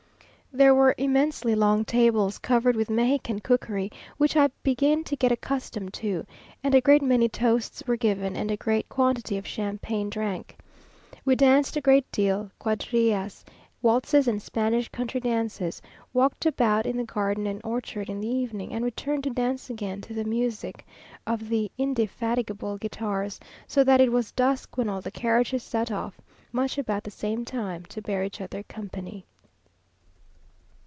There were immensely long tables, covered with Mexican cookery, which I begin to get accustomed to; and a great many toasts were given and a great quantity of champagne drank. We danced a great deal, quadrilles, waltzes and Spanish country dances, walked about in the garden and orchard in the evening, and returned to dance again to the music of the indefatigable guitars, so that it was dusk when all the carriages set off, much about the same time, to bear each other company....